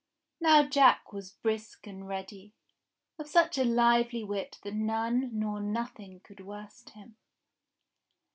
Now Jack was brisk and ready ; of such a lively wit that none nor nothing could worst him.